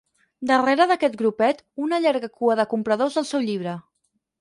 Darrera d'aquest grupet, una llarga cua de compradors del seu llibre.